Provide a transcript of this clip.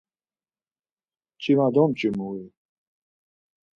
Mç̌ima domç̌imu-i?